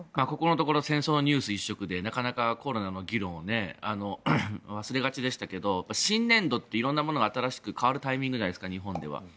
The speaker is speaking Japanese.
ここのところ戦争のニュース一色でなかなかコロナの議論を忘れがちでしたけど新年度って色んなものが新しく変わるタイミングじゃないですか日本では。